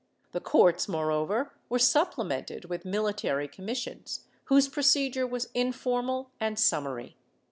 The courts, moreover, were supple mented with military commissions, whose procedure was informal and summary.